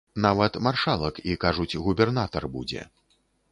Нават маршалак і, кажуць, губернатар будзе.